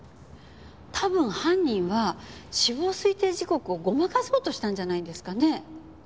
多分犯人は死亡推定時刻をごまかそうとしたんじゃないんですかね？